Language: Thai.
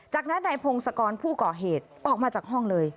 จากนั้นนายพงศกรผู้ก่อเหตุออกมาจากห้องเลย